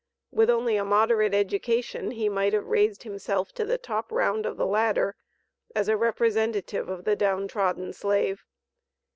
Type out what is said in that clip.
With only a moderate education he might have raised himself to the "top round of the ladder," as a representative of the down trodden slave.